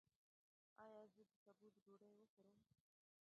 ایا زه د سبوس ډوډۍ وخورم؟